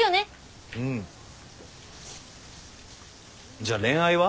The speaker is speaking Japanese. じゃあ恋愛は？